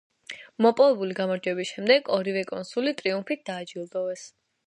მოპოვებული გამარჯვების შემდეგ ორივე კონსული ტრიუმფით დააჯილდოვეს.